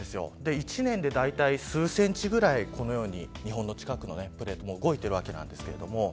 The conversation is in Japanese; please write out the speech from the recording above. １年で数センチぐらい日本の近くのプレートも動いています。